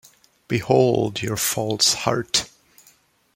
Behold your false heart!